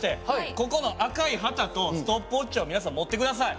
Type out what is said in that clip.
ここの赤い旗とストップウォッチを皆さん持って下さい。